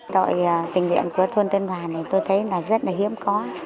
đội tình nguyện của thôn tân hòa này tôi thấy là rất là hiếm có